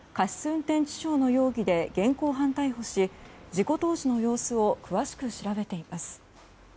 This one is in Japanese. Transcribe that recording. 運転致傷の容疑で現行犯逮捕し事故当時の様子を詳しく調べています。